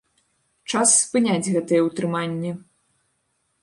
Час спыняць гэтае ўтрыманне!